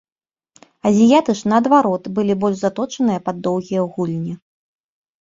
Азіяты ж, наадварот, былі больш заточаныя пад доўгія гульні.